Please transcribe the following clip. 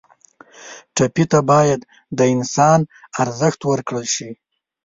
ټپي ته باید د انسان ارزښت ورکړل شي.